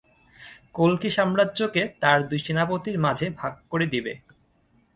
কল্কি সাম্রাজ্যকে তার দুই সেনাপতির মাঝে ভাগ করে দিবে।